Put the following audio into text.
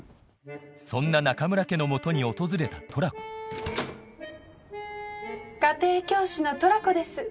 そんな中村家の元に訪れたトラコ家庭教師のトラコです。